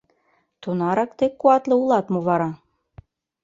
— Тунарак тый куатле улат мо вара?